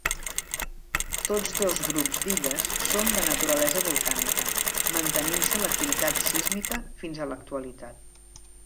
Tots dos grups d'illes són de naturalesa volcànica, mantenint-se l'activitat sísmica fins a l'actualitat.